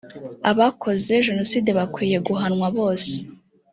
abakoze genocide bakwiye guhanwa bose